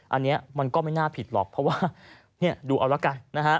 อันนี้มันก็ไม่น่าผิดหรอกเพราะว่าดูเอาละกันนะฮะ